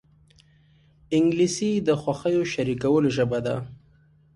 انګلیسي د خوښیو شریکولو ژبه ده